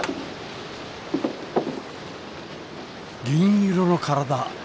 銀色の体。